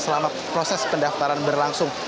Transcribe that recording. selama proses pendaftaran berlangsung